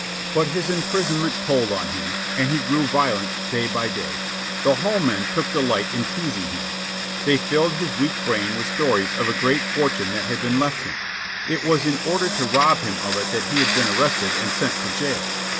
But his imprisonment told on him, and he grew violent day by day. The hall men took delight in teasing him. They filled his weak brain with stories of a great fortune that had been left him. It was in order to rob him of it that he had been arrested and sent to jail.